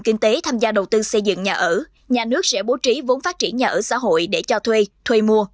kinh tế tham gia đầu tư xây dựng nhà ở nhà nước sẽ bố trí vốn phát triển nhà ở xã hội để cho thuê thuê mua